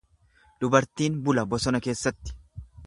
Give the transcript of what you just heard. Dubartiin bula bosona keessatti.